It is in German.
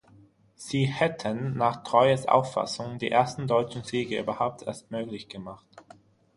Sie hätten nach Treues Auffassung die ersten deutschen Siege überhaupt erst möglich gemacht.